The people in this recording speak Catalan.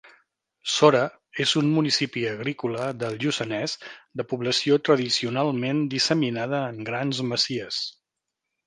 Sora és un municipi agrícola del Lluçanès de població tradicionalment disseminada en grans masies.